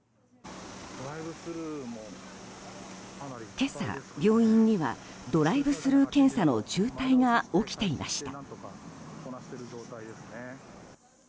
今朝、病院にはドライブスルー検査の渋滞が起きていました。